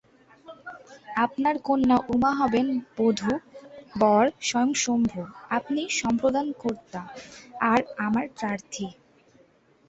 জলাশয়ের বাইরে এরা নিজেদের অঞ্চল রক্ষা, খাদ্য গ্রহণ সহ বিভিন্ন কাজে সক্রিয় থাকে।